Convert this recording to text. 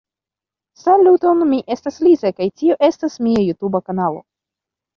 Saluton, mi estas Liza kaj tio estas mia jutuba kanalo.